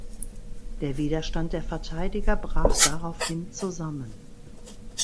Der Widerstand der Verteidiger brach daraufhin zusammen.